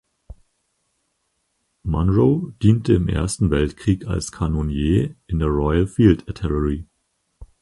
Munro diente im Ersten Weltkrieg als Kanonier in der Royal Field Artillery.